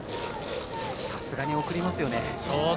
さすがに送りますよね。